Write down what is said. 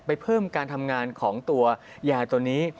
เพิ่มการทำงานของตัวยาตัวนี้